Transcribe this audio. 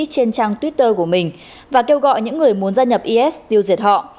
trên trang twitter của mình và kêu gọi những người muốn gia nhập is tiêu diệt họ